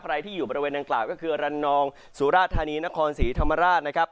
ใครที่อยู่บริเวณดังกล่าวก็คือรันนองสุราธานีนครศรีธรรมราชนะครับ